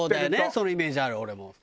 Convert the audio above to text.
そのイメージある俺も。